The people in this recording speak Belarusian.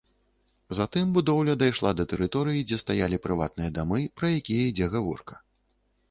Затым будоўля дайшла да тэрыторыі, дзе стаялі прыватныя дамы, пра якія ідзе гаворка.